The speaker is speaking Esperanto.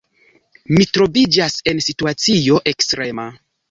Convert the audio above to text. Mi troviĝas en situacio ekstrema.